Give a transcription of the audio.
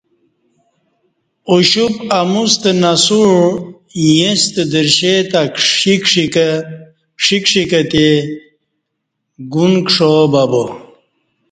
اُوشپ امُوستہ نسوع ایݩستہ درشے تہ کݜی کݜی کہ تی، گون کشا بہ با